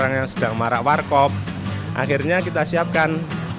orang yang sedang marak warkop akhirnya kita siapkan